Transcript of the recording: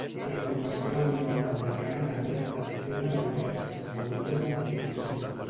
La formació de la Unió Nord-americana també ha estat tema de diverses teories de conspiració.